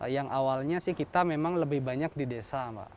yang awalnya sih kita memang lebih banyak di desa mbak